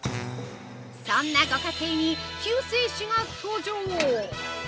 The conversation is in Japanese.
そんなご家庭に救世主が登場！